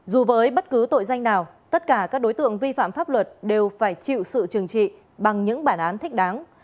dù với bất cứ tội danh nào tất cả các đối tượng vi phạm pháp luật đều phải chịu sự trừng trị bằng những bản án thích đáng